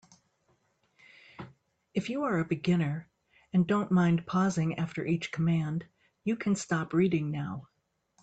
If you are a beginner and don't mind pausing after each command, you can stop reading now.